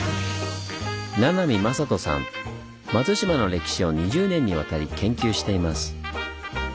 松島の歴史を２０年にわたり研究しています。